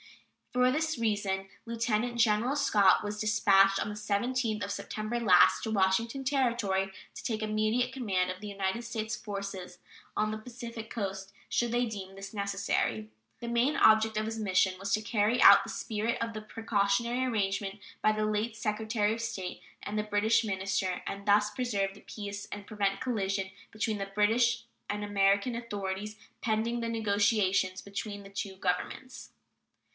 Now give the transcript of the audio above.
For this reason Lieutenant General Scott was dispatched, on the 17th of September last, to Washington Territory to take immediate command of the United States forces on the Pacific Coast, should he deem this necessary. The main object of his mission was to carry out the spirit of the precautionary arrangement between the late Secretary of State and the British minister, and thus to preserve the peace and prevent collision between the British and American authorities pending the negotiations between the two Governments.